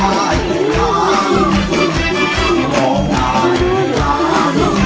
ร้องได้